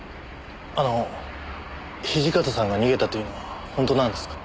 あの土方さんが逃げたというのは本当なんですか？